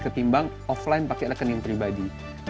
ketimbang offline pakai rekening pribadi